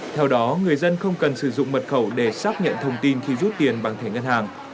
theo đó người dân không cần sử dụng mật khẩu để xác nhận thông tin khi rút tiền bằng thẻ ngân hàng